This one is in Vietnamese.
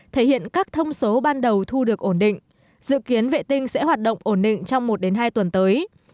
thể hiện các thông số ban đầu thu được ổn định dự kiến vệ tinh sẽ hoạt động ổn định trong một hai tuần tới